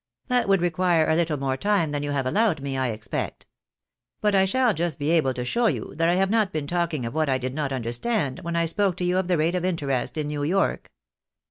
That would require a little more time than you have allowed me, I expect. But I shall just be able to show you, that I have not been talking of what I did not understand when I spoke to you of the rate of interest in New York.